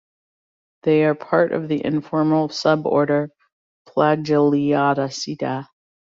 They're part of the informal suborder "Plagiaulacida".